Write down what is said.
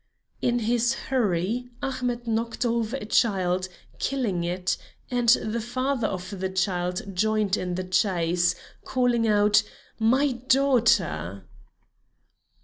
In his hurry Ahmet knocked over a child, killing it, and the father of the child joined in the chase, calling out: "My daughter!"